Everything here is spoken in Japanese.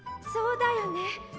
そうだよね。